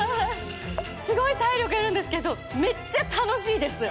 すごい体力要るんですけどめっちゃ楽しいです。